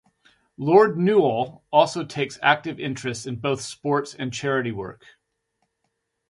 Lord Newall also takes active interests in both sports and charity work.